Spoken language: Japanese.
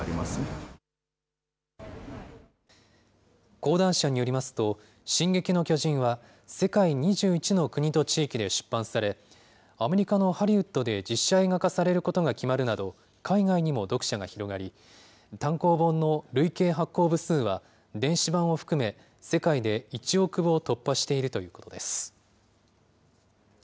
講談社によりますと、進撃の巨人は、世界２１の国と地域で出版され、アメリカのハリウッドで実写映画化されることが決まるなど、海外にも読者が広がり、単行本の累計発行部数は電子版を含め、世界で１億部を突破しているということです。